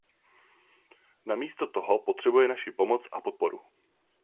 Namísto toho potřebuje naši pomoc a podporu.